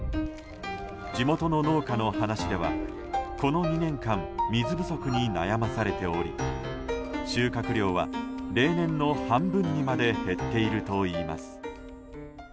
地元の農家の話では、この２年間水不足に悩まされており収穫量は例年の半分にまで減っているといいます。